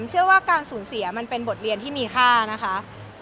ใช่ค่ะน่าจะเป็นโอกาสสุดท้าย